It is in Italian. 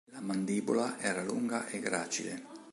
La mandibola era lunga e gracile.